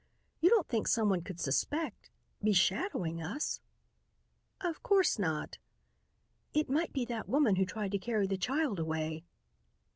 You don't think someone could suspect be shadowing us?" "Of course not." "It might be that woman who tried to carry the child away."